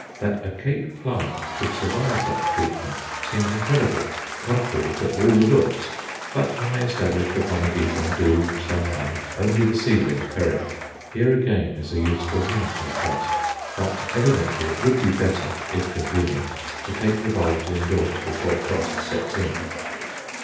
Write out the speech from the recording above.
That a Cape plant should survive such treatment seems incredible contrary to all the books. But my established Aponogeton do somehow; only the seedlings perish. Here again is a useful hint, I trust. But evidently it would be better, if convenient, to take the bulbs indoors before frost sets in.